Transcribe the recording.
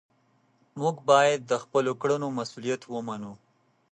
موږ باید د خپلو کړنو مسؤلیت ومنو.